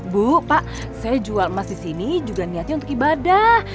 bu pak saya jual emas di sini juga niatnya untuk ibadah